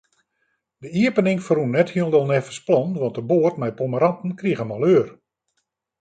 De iepening ferrûn net hielendal neffens plan, want de boat mei pommeranten krige maleur.